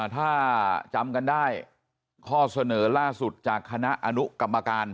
ถ้าจำกันได้ข้อเสนอล่าสุดจากคณะอนุกรรมการ